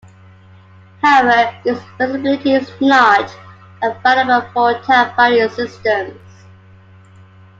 However, this flexibility is not available for "time-varying" systems.